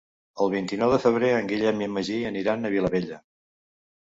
El vint-i-nou de febrer en Guillem i en Magí aniran a Vilabella.